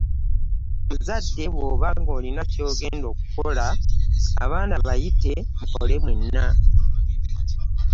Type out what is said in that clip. Omuzadde bw’oba olina ky’ogenda okukola, abaana bayite mukole mwenna.